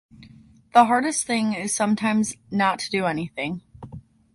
The hardest thing is, sometimes, not to do anything.